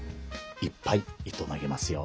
いっぱい糸投げますよ。